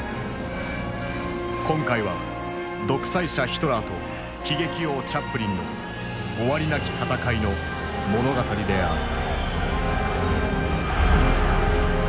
今回は独裁者ヒトラーと喜劇王チャップリンの終わりなき闘いの物語である。